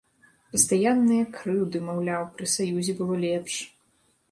Пастаянныя крыўды, маўляў, пры саюзе было лепш.